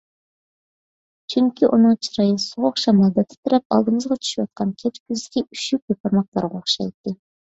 چۈنكى، ئۇنىڭ چىرايى سوغۇق شامالدا تىترەپ ئالدىمىزغا چۈشۈۋاتقان كەچكۈزدىكى ئۈششۈك يوپۇرماقلارغا ئوخشايتتى.